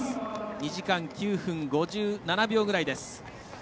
２時間９分５７秒ぐらいです。